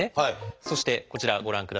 そしてこちらご覧ください。